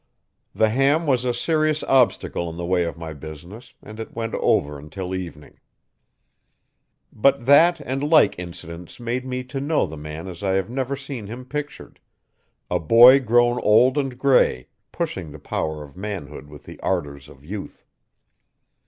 The ham was a serious obstacle in the way of my business and it went over until evening. But that and like incidents made me to know the man as I have never seen him pictured a boy grown old and grey, pushing the power of manhood with the ardours of youth.